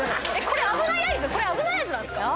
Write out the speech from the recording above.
これ危ない合図なんすか？